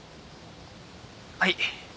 はい。